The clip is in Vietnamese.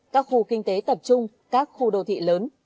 các khu kinh tế tập trung các khu đô thị lớn